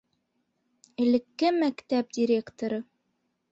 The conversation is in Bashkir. Элекке мәктәп директоры